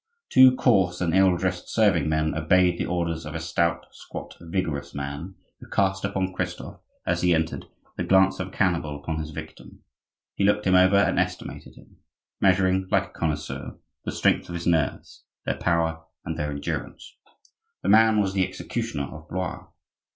Two coarse and ill dressed serving men obeyed the orders of a stout, squat, vigorous man, who cast upon Christophe, as he entered, the glance of a cannibal upon his victim; he looked him over and estimated him,—measuring, like a connoisseur, the strength of his nerves, their power and their endurance. The man was the executioner of Blois.